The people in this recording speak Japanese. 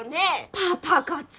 パパ活！？